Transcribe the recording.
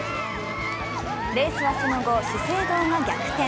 レースはその後、資生堂が逆転。